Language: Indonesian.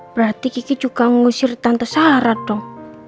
berarti kiki juga ngusir tante sara dong